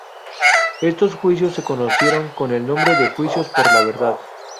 Estos juicios se conocieron con el nombre de juicios por la verdad.